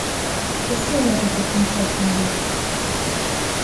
Усё можа такім часам быць.